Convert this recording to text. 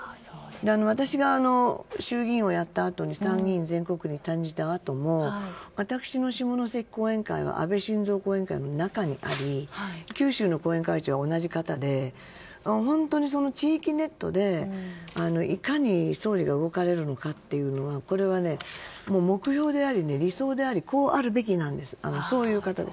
私が衆議員をやったあとに参議院全国区に転じたあとも私の下関後援会は安倍晋三後援会の中にあり九州の後援会長は同じ方で本当に地域ネットで総理が動かれるのかというのは目標であり、理想でありこうあるべきなんです。